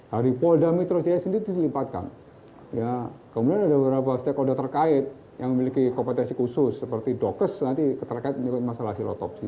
hari polda metro jaya sendiri dilipatkan kemudian ada beberapa stakeholder terkait yang memiliki kompetensi khusus seperti dokes nanti terkait menyebut masalah hasil otopsi